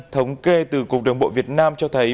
thống kê từ cục đường bộ việt nam cho thấy